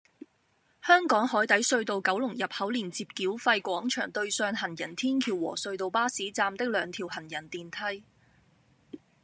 香港海底隧道九龍入口連接繳費廣場對上行人天橋和隧道巴士站的兩條行人電梯